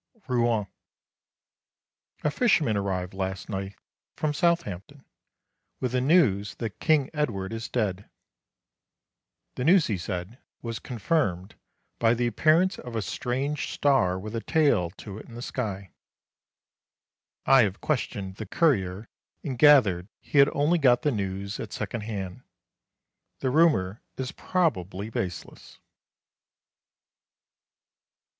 Rouen. A fisherman arrived last night from Southampton with the news that King Edward is dead. The news, he said, was confirmed by the appearance of a strange star with a tail to it in the sky. I have questioned the courier and gathered he had only got the news at second hand. The rumour is probably baseless.